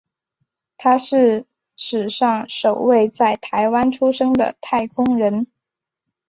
他是史上首位在台湾出生的太空人。